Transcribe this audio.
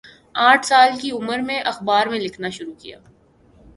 آٹھ سال کی عمر میں اخبار میں لکھنا شروع کیا